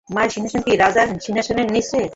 মায়ের সিংহাসন কি রাজার সিংহাসনের নীচে!